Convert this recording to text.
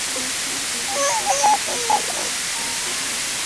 বিধানসভায় এই bill pass হলে তা পাঠানো হবে ভারতীয় সংসদের নিম্নকক্ষ লোকসভায়।